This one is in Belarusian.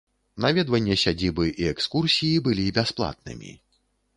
Наведванне сядзібы і экскурсіі былі бясплатнымі.